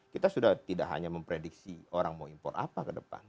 kita sudah tidak hanya memprediksi orang mau impor apa ke depan